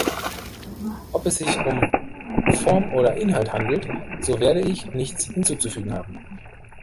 Ob es sich um Form oder Inhalt handelt, so werde ich nichts hinzuzufügen haben.